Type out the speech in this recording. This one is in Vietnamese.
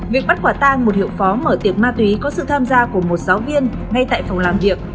việc bắt quả tang một hiệu phó mở tiệc ma túy có sự tham gia của một giáo viên ngay tại phòng làm việc